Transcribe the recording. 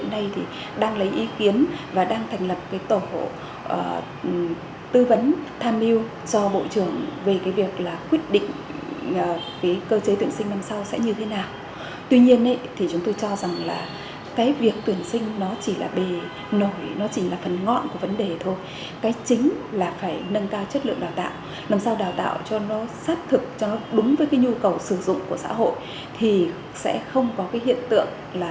năm sau đào tạo cho nó xác thực cho nó đúng với cái nhu cầu sử dụng của xã hội thì sẽ không có cái hiện tượng là thí sinh ảo